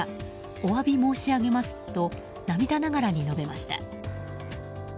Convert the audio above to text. お詫び申し上げますと涙ながらに述べました。